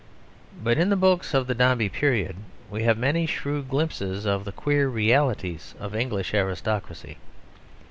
But in the books of the Dombey period we have many shrewd glimpses of the queer realities of English aristocracy.